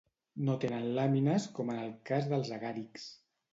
No tenen làmines com en el cas dels agàrics.